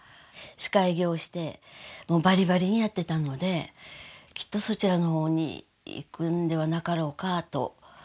司会業をしてもうバリバリにやっていたのできっとそちらのほうにいくんではなかろうかと思っていました。